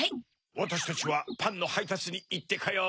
わたしたちはパンのはいたつにいってこようか。